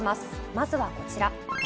まずはこちら。